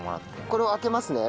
これを空けますね